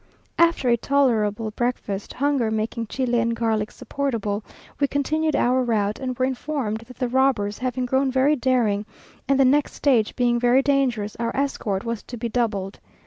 After a tolerable breakfast, hunger making chile and garlic supportable, we continued our route; and were informed that the robbers, having grown very daring, and the next stage being very dangerous, our escort was to be doubled.